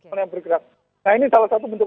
orang yang bergerak nah ini salah satu bentuk